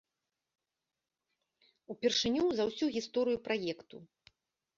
Упершыню за ўсю гісторыю праекту.